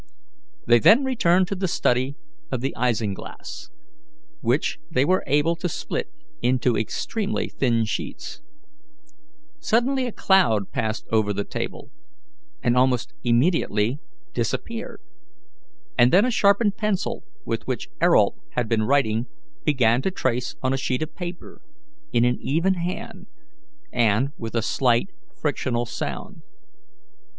They then returned to the study of the isinglass, which they were able to split into extremely thin sheets. Suddenly a cloud passed over the table, and almost immediately disappeared, and then a sharpened pencil with which Ayrault had been writing began to trace on a sheet of paper, in an even hand, and with a slight frictional sound.